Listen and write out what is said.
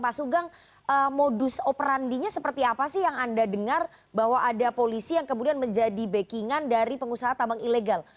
pak sugeng modus operandinya seperti apa sih yang anda dengar bahwa ada polisi yang kemudian menjadi backing an dari pengusaha tambang ilegal